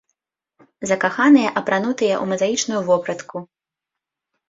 Закаханыя апранутыя ў мазаічную вопратку.